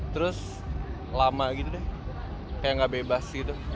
terus lama gitu deh kayak gak bebas gitu